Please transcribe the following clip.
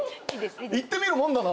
言ってみるもんだな。